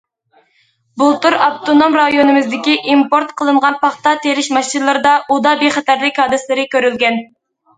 بۇلتۇر ئاپتونوم رايونىمىزدىكى ئىمپورت قىلىنغان پاختا تېرىش ماشىنىلىرىدا ئۇدا بىخەتەرلىك ھادىسىلىرى كۆرۈلگەن.